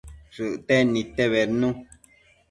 Shëcten nidte bednu